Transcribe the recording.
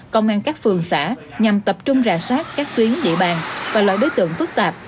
công an các phường xã nhằm tập trung rà soát các tuyến địa bàn và loại đối tượng phức tạp